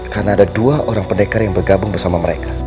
karena ada dua orang pendekar yang bergabung bersama mereka